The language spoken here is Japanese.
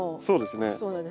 そうですね。